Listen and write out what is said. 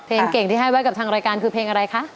เพลงเก่งที่ให้ไว้กับทางรายการคือเพลงอะไรคะ